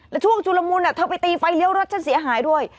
แล้วช่วงชุลมุนเธอไปตีไฟเลี้ยวรถฉันเสียหายด้วย